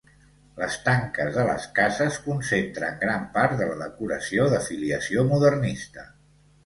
Les tanques de les cases concentren gran part de la decoració de filiació modernista.